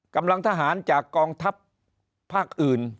กำลังทหารจากกองทัพภาคอื่น